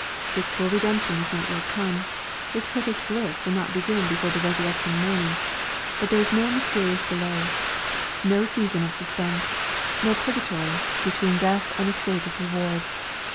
His full redemption is not yet come. His perfect bliss will not begin before the resurrection morning. But there is no mysterious delay, 474 EXPOSITORY THOUGHTS. no season of soBpense, no pnrgatory, between his death and a state of reward.